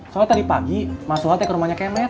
soalnya tadi pagi mas wah teh ke rumahnya kemet